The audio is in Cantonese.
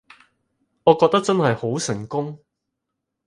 我覺得真係好成功